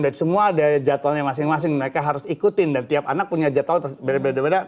dan semua ada jadwalnya masing masing mereka harus ikutin dan tiap anak punya jadwal berbeda beda